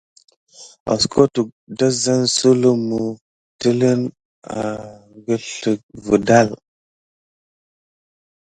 Heskote adkota ɗazen su lumu teline agəlzevədal.